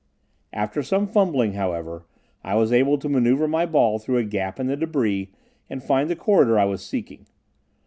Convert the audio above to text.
After some fumbling, however, I was able to maneuver my ball through a gap in the debris and find the corridor I was seeking.